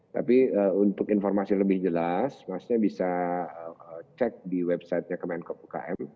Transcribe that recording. tapi untuk informasi lebih jelas maksudnya bisa cek di websitenya kemenkop umkm